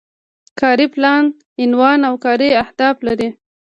کاري پلان عنوان او کاري اهداف لري.